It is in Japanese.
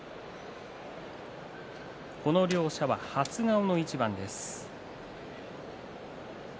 この両者は初顔の一番。